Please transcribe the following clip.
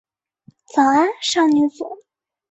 早安少女组。